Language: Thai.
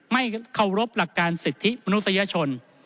ไม่เคารพหลักการสิทธิมนุษยชน